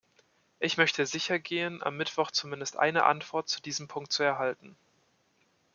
Ich möchte sicher gehen, am Mittwoch zumindest eine Antwort zu diesem Punkt zu erhalten.